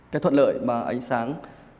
cái thuận lợi mà ánh sáng